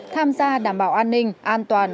tham gia đảm bảo an ninh an toàn